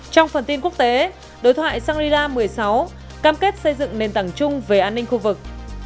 trong phần tin quốc tế đối thoại shangri la một mươi sáu cam kết xây dựng nền tảng chung về an ninh khu vực